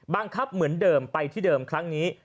บังคับเหมือนเดิมไปที่เดิมครั้งนี้